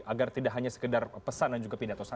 agar tidak hanya sekedar pesan